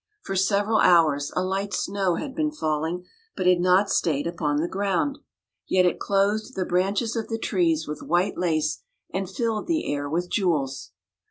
For several hours a light snow had been falling, but had not stayed upon the ground. Yet it clothed the branches of the trees with white lace and filled the air with jewels.